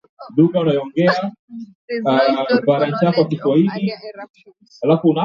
There is no historical knowledge of earlier eruptions.